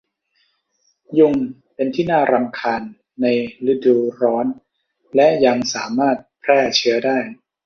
ยุงเป็นที่น่ารำคาญในฤดูร้อนและยังสามารถแพร่เชื้อได้